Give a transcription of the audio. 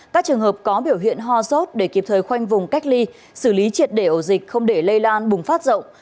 các trường hợp có biểu hiện ho sốt để kịp thời khoanh vùng cách ly xử lý triệt để ổ dịch không để lây lan bùng phát rộng